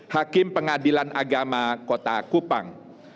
hakim pengadilan agama kota kupang